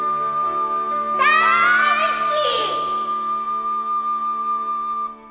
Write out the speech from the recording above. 大好き